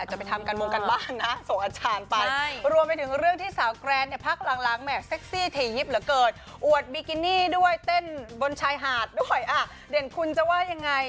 หวงไม่หวงอะไรขนาดไหนฟังเด่นคุณจ้า